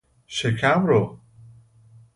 شکم رو